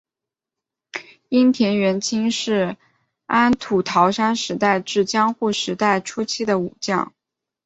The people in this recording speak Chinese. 樱田元亲是安土桃山时代至江户时代初期的武将。